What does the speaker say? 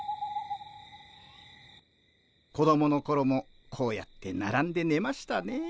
子供の頃もこうやってならんでねましたね。